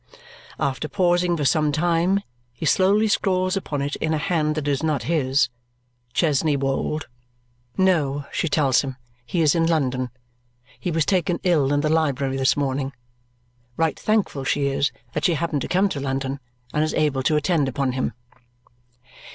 After pausing for some time, he slowly scrawls upon it in a hand that is not his, "Chesney Wold?" No, she tells him; he is in London. He was taken ill in the library this morning. Right thankful she is that she happened to come to London and is able to attend upon him.